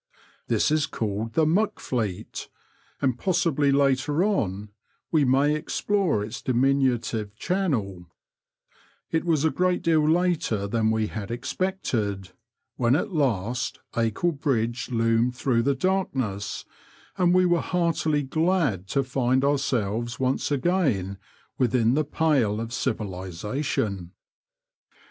This is called the Muck Fleet, and possibly later on we may explore its diminutive channel It was a great deal later than we had expected when at last Acle Bridge loomed through the dark ness, and we were heartily glad to find ourselves once again within the pale of civilisatioo.